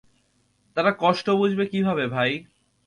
তারা কষ্ট বুঝবে কীভাবে ভাই?